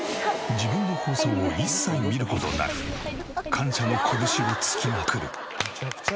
自分の放送を一切見る事なく感謝の拳を突きまくる。